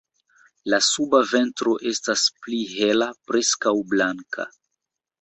La suba ventro estas pli hela, preskaŭ blanka.